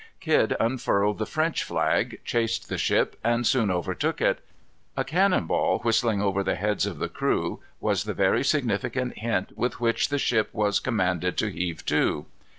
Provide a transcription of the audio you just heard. Kidd unfurled the French flag, chased the ship, and soon overtook it. A cannon ball whistling over the heads of the crew was the very significant hint with which the ship was commanded to heave to.